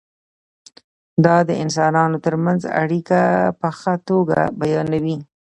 دا د انسانانو ترمنځ اړیکه په ښه توګه بیانوي.